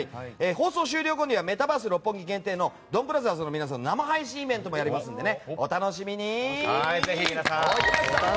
放送終了後にはメタバース六本木限定のドンブラザーズの皆さんの生配信もやるのでお楽しみに。